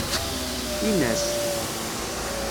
Ini-as.